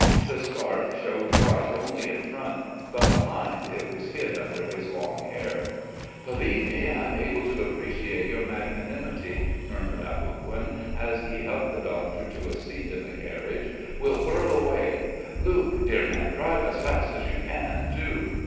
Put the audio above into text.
The scarf showed white only in front, but behind it was hid under his long hair. "Believe me, I'm able to appreciate your magnanimity," murmured Aboguin, as he helped the doctor to a seat in the carriage. "We'll whirl away. Luke, dear man, drive as fast as you can, do!"